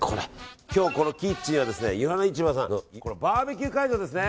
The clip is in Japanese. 今日このキッチンは湯の華市場さんのバーベキュー会場ですね。